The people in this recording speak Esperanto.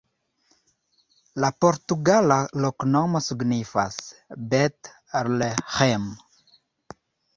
La portugala loknomo signifas: Bet-Leĥem.